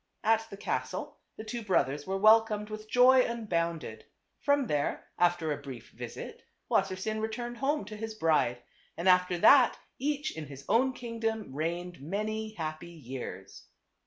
At the castle the two brothers were welcomed with joy unbounded ; from there, after a brief visit, Wassersein returned home to his bride. And after that each in his own kingdom reigned many happy years.